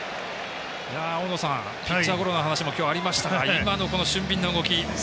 大野さん、ピッチャーゴロの話も今日、ありましたが今の俊敏な動き。